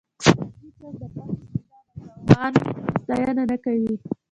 هېڅوک د پټ استعداد او توان ستاینه نه کوي.